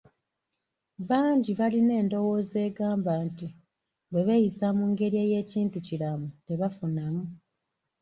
Bangi balina endowooza egamba nti, bwe beeyisa mu ngeri ey'ekintu kiramu tebafunamu.